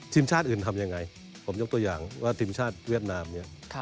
ทีมชาติอื่นทำยังไงผมยกตัวอย่างว่าทีมชาติเวียดนามเนี่ย